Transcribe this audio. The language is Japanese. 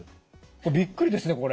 びっくりですねこれ。